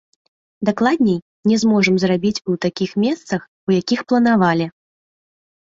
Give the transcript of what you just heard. Дакладней, не зможам зрабіць у такіх месцах, у якіх планавалі.